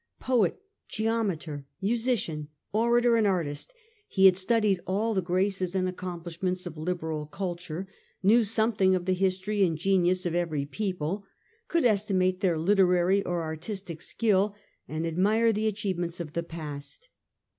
Poet, geometer, musician, orator, and aU a breadth artist, he had studied all the graces and ac largeness of complishments of liberal culture, knew some Simost^^^ thing of the history and genius of every unique. people, could estimate their literary or artistic skill, and admire the achievements of the past.